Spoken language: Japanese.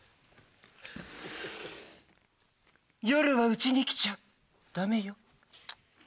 夜はうちに来ちゃダメよチュ。